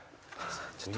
ちょっと。